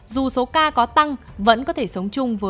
dù số ca có tăng vẫn có thể sử dụng